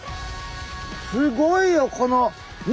すごいよこの見て。